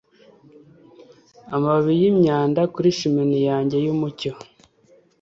Amababi yimyanda kuri chimney yanjye yumucyo